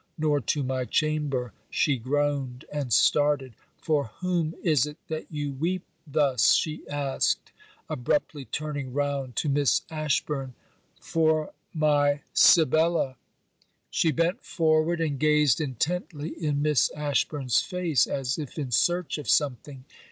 nor to my chamber!' She groaned and started. 'For whom is it that you weep, thus?' she asked, abruptly turning round to Miss Ashburn. 'For my Sibella.' She bent forward; and gazed intently in Miss Ashburn's face, as if in search of something.